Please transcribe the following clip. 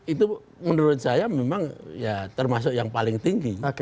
itu menurut saya memang ya termasuk yang paling tinggi